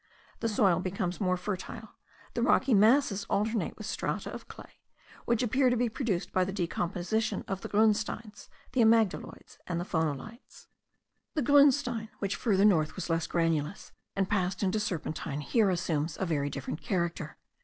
The soil becomes more fertile; the rocky masses alternate with strata of clay, which appear to be produced by the decomposition of the grunsteins, the amygdaloids, and the phonolites. The grunstein, which farther north was less granulous, and passed into serpentine, here assumes a very different character.